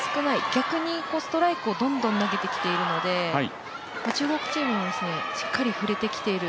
逆にストライクをどんどん投げてきているので中国チームもしっかり振れてきている。